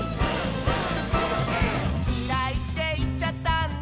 「きらいっていっちゃったんだ」